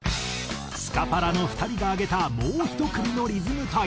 スカパラの２人が挙げたもう一組のリズム隊。